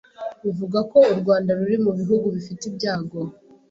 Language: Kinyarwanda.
bivuga ko u Rwanda ruri mu bihugu bifite ibyago